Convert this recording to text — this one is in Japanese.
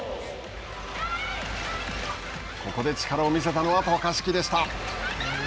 ここで力を見せたのは渡嘉敷でした。